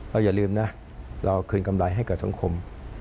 อย่าลืมนะเราคืนกำไรให้กับสังคม